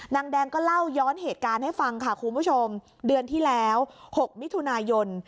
นางแดงก็เล่าย้อนเหตุการณ์ให้ฟังค่ะคุณผู้ชมเดือนที่แล้ว๖มิถุนายน